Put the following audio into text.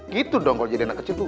gitu dong kalau jadinya nak kecil tuh